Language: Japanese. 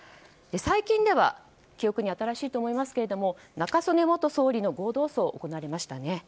最近では記憶に新しいと思いますが中曽根元総理の合同葬が行われましたね。